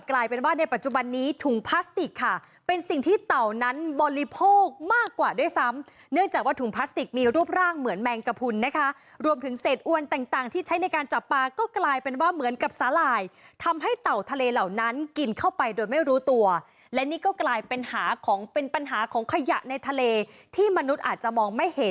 กลายเป็นว่าในปัจจุบันนี้ถุงพลาสติกค่ะเป็นสิ่งที่เต่านั้นบริโภคมากกว่าด้วยซ้ำเนื่องจากว่าถุงพลาสติกมีรูปร่างเหมือนแมงกระพุนนะคะรวมถึงเศษอวนต่างที่ใช้ในการจับปลาก็กลายเป็นว่าเหมือนกับสาหร่ายทำให้เต่าทะเลเหล่านั้นกินเข้าไปโดยไม่รู้ตัวและนี่ก็กลายเป็นหาของเป็นปัญหาของขยะในทะเลที่มนุษย์อาจจะมองไม่เห็น